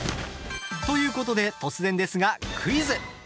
ということで突然ですがクイズ。